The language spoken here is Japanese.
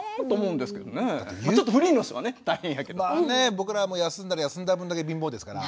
僕らは休んだら休んだ分だけ貧乏ですから。